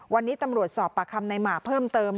วันนี้ตำรวจสอบประคำในหมาเพิ่มเติม